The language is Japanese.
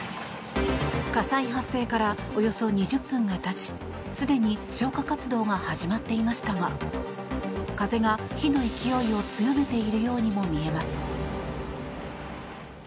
火災発生からおよそ２０分がたちすでに消火活動が始まっていましたが風が火の勢いを強めているようにも見えます。